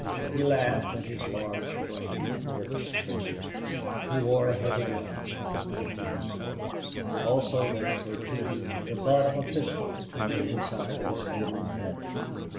He laughed and his large frame lurched closer. He wore a heavy gun and a knife in his belt. Also there protruded the butt of a pistol from the inside of his open vest.